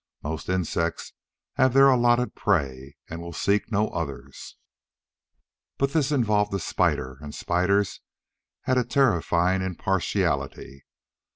Most insects have their allotted prey and will seek no others. But this involved a spider, and spiders have a terrifying impartiality.